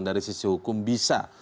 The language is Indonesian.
dari sisi hukum bisa